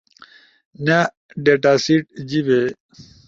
نأ، ڈیٹا سیٹ، جیِبے